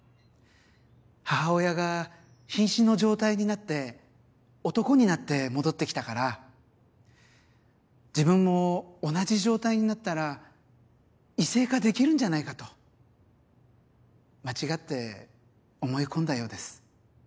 母親が瀕死の状態になって男になって戻ってきたから自分も同じ状態になったら異性化できるんじゃないかと間違って思い込んだようです。